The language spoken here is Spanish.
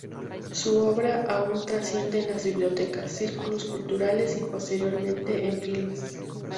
Su obra aun trasciende en las bibliotecas, círculos culturales y posteriormente en filmes.